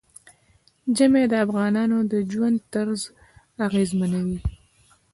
ژمی د افغانانو د ژوند طرز اغېزمنوي.